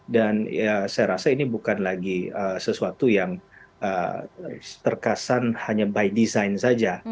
dan saya rasa ini bukan lagi sesuatu yang terkasan hanya by design saja